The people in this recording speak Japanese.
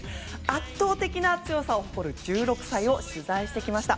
圧倒的な強さを誇る１６歳を取材してきました。